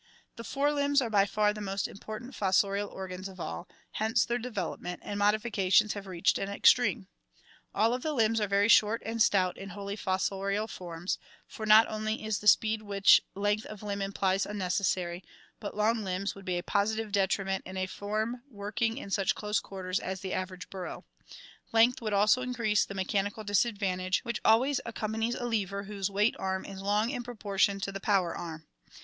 The fore limbs are by far the most important fossorial organs of all, hence their development and modifications have reached an extreme. All of the limbs are very short and stout in wholly fos sorial forms, for not only is the speed which length of limb implies unnecessary, but long limbs would be a positive detriment in a form working in such close quarters as the average burrow. Length would also increase the mechanical disadvantage which always accompanies a lever whose weight arm is long in proportion to the power arm.